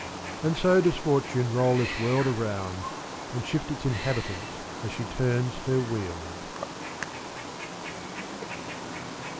And so does Fortune roll this world around, and shift its inhabitants as she turns her wheels.